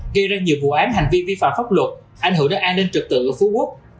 gây ra nhiều vụ án hành vi vi phạm pháp luật ảnh hưởng đến an ninh trực tự ở phú quốc